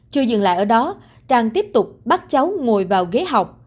chưa dừng lại ở đó trang tiếp tục bắt cháu ngồi vào ghế học